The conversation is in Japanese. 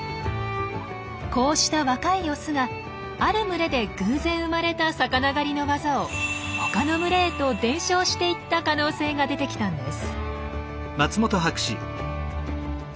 こうした若いオスがある群れで偶然生まれた魚狩りの技を他の群れへと伝承していった可能性が出てきたんです。